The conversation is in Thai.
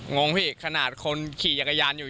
งงพี่ขนาดคนขี่จักรยานอยู่